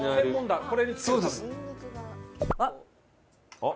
あっ！